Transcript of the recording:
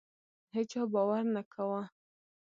هیچا باور نه کاوه.